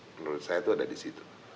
menurut saya itu ada di situ